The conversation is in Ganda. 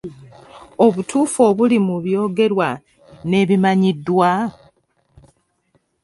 Obutuufu obuli mu byogerwa n'ebimannyiddwa?